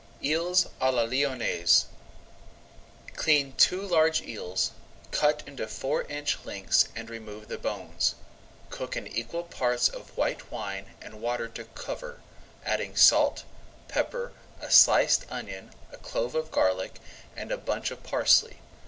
EELS À LA LYONNAISE Clean two large eels, cut into four inch lengths and remove the bones. Cook in equal parts of white wine and water to cover, adding salt, pepper, a sliced onion, a clove of garlic, and a bunch of parsley.